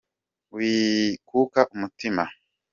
Wikuka umutima.